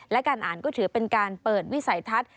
และการอ่านก็ถือเป็นการเปิดวิสัยทัศน์